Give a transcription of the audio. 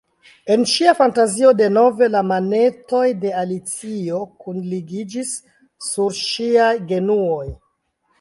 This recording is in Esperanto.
En ŝia fantazio denove la manetoj de Alicio kunligiĝis sur ŝiaj genuoj.